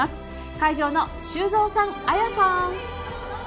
会場の修造さん、綾さん！